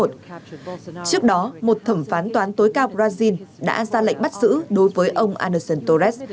trước đó một thẩm phán tòa án tối cao brazil đã ra lệnh bắt giữ đối với ông anderson torres